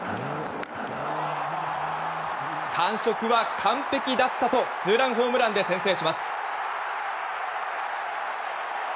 感触は完璧だったとツーランホームランで先制します。